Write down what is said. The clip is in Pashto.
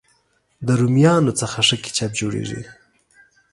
د رومیانو څخه ښه کېچپ جوړېږي.